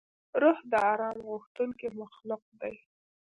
روح د آرام غوښتونکی مخلوق دی.